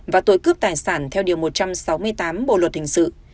và tội cướp tài sản theo điều một trăm sáu mươi tám bộ luật hình sự